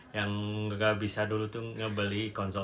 yang gak bisa dulu tuh ngebeli konsol